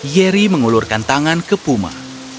yeri mengulurkan tangan ke puma